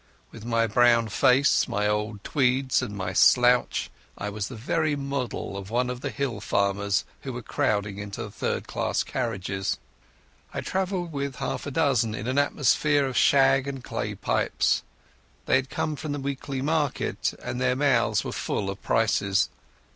With my brown face, my old tweeds, and my slouch, I was the very model of one of the hill farmers who were crowding into the third class carriages. I travelled with half a dozen in an atmosphere of shag and clay pipes. They had come from the weekly market, and their mouths were full of prices.